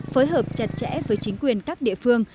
phối hợp chặt chẽ với chính quyền các địa phương